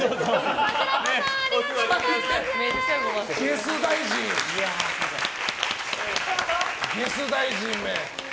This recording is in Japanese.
ゲス大臣。